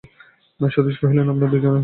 সতীশ কহিল, না, আপনারা দুজনেই আসুন।